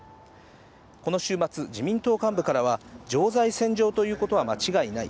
この週末、自民党幹部からは、常在戦場ということは間違いない。